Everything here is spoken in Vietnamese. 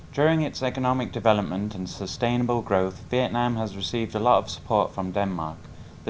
trong công việc phát triển kinh tế và tăng trưởng bền vững việt nam đã nhận được rất nhiều sự hỗ trợ từ đan mạch